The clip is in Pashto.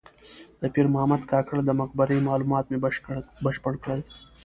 د پیر محمد کاکړ د مقبرې معلومات مې بشپړ کړل.